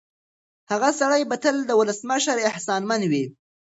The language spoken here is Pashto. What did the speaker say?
هغه سړی به تل د ولسمشر احسانمن وي.